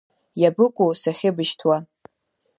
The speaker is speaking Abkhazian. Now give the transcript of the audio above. Иабыкәу сахьыбышьҭуа?